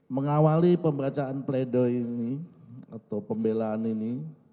mengawali pembacaan pleido ini atau pembelaan ini